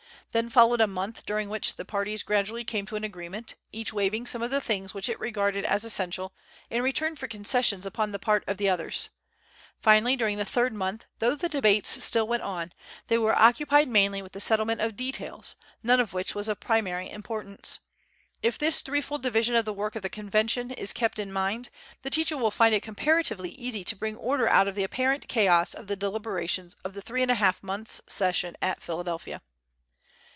Then followed a month during which the parties gradually came to an agreement, each waiving some of the things which it regarded as essential in return for concessions upon the part of the others. Finally, during the third month, though the debates still went on, they were occupied mainly with the settlement of details, none of which was of primary importance. If this threefold division of the work of the Convention is kept in mind, the teacher will find it comparatively easy to bring order out of the apparent chaos of the deliberations of the three and a half months' session at Philadelphia.